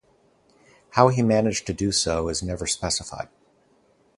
How he managed to do so is never specified.